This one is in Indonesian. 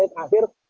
ada beberapa pengguna